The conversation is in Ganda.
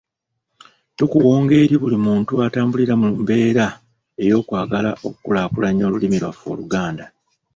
Tukuwonga eri buli muntu atambulira mu mbeera ey'okwagala okukulaakulanya olulimi lwaffe Oluganda.